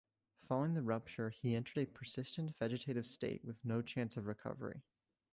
Following the rupture he entered a persistent vegetative state with no chance of recovery.